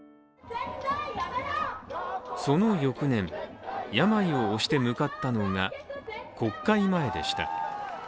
その翌年、病を押して向かったのが国会前でした。